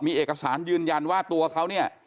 มีเอกสารยืนยันว่าตัวเขาเนี่ย